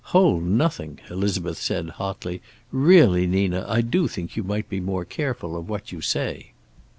"Hole nothing," Elizabeth said, hotly. "Really, Nina, I do think you might be more careful of what you say."